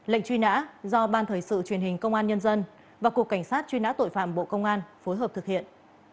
lệnh truy nã do ban thời sự truyền hình công an nhân dân và cục cảnh sát truy nã tội phạm bộ công an phối hợp thực hiện